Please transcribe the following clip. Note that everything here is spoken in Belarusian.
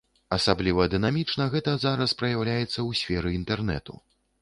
Асабліва дынамічна гэта зараз праяўляецца ў сферы інтэрнэту.